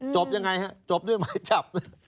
จบยังไงฮะจบด้วยหมายจับ